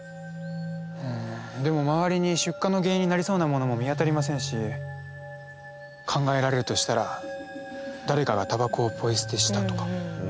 うんでも周りに出火の原因になりそうなものも見当たりませんし考えられるとしたら誰かがタバコをポイ捨てしたとか？